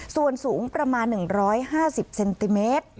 ส่วนสูงประมาณหนึ่งร้อยห้าสิบเซนติเมตรอืม